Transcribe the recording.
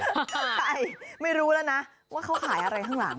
เข้าใจไม่รู้แล้วนะว่าเขาขายอะไรข้างหลัง